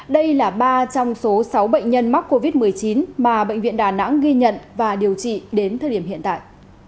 đây là ba trong số sáu bệnh nhân mắc covid một mươi chín mà bệnh viện đà nẵng ghi nhận và điều trị đến thời điểm hiện tại